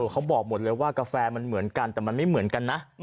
เขาบอกหมดเลยว่ากาแฟมันเหมือนกันแต่มันไม่เหมือนกันนะ